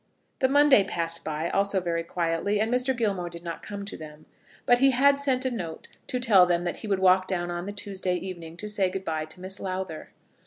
The Monday passed by, also very quietly, and Mr. Gilmore did not come to them, but he had sent a note to tell them that he would walk down on the Tuesday evening to say good bye to Miss Lowther.